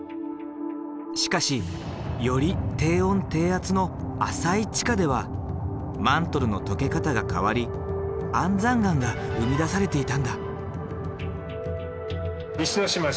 しかしより低温低圧の浅い地下ではマントルの溶け方が変わり安山岩が生み出されていたんだ。